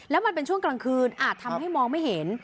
แล้วมันเป็นช่วงกลางคืนอาจทำให้มองไม่เห็น